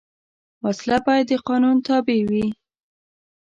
وسله باید د قانون تابع وي